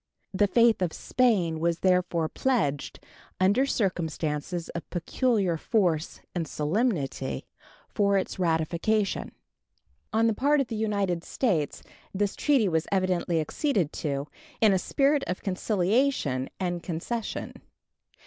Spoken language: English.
The faith of Spain was therefore pledged, under circumstances of peculiar force and solemnity, for its ratification. On the part of the United States this treaty was evidently acceded to in a spirit of conciliation and concession.